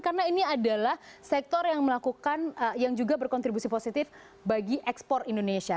karena ini adalah sektor yang melakukan yang juga berkontribusi positif bagi ekspor indonesia